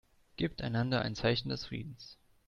Gebt einander ein Zeichen des Friedens.